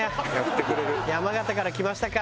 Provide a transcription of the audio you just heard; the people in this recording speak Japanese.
山形から来ましたか。